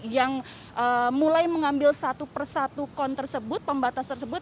yang mulai mengambil satu persatu kon tersebut pembatas tersebut